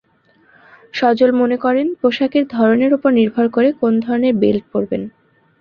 সজল মনে করেন, পোশাকের ধরনের ওপর নির্ভর করে কোন ধরনের বেল্ট পরবেন।